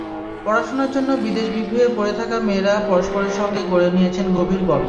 পড়াশোনার জন্য বিদেশ-বিভুঁইয়ে পড়ে থাকা মেয়েরা পরস্পরের সঙ্গে গড়ে নিয়েছেন গভীর বন্ধন।